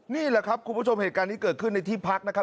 นี่แหละครับคุณผู้ชมเหตุการณ์นี้เกิดขึ้นในที่พักนะครับ